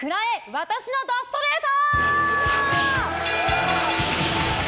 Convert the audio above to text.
私の怒ストレート！